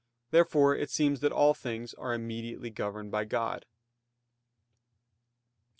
Therefore it seems that all things are immediately governed by God. Obj.